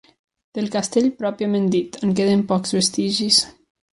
Del castell pròpiament dit, en queden pocs vestigis.